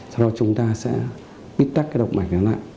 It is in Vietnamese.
sau đó chúng ta sẽ ít tắt cái động mạch nó lại